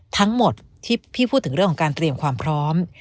ทั้งหมดที่พี่พูดถึงเรื่องของการเตรียมความพร้อม